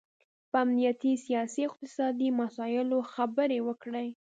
په امنیتي، سیاسي او اقتصادي مسایلو خبرې وکړي